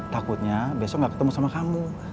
takutnya besok gak ketemu sama kamu